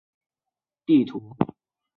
一个常用的设计话语社区的工具是地图。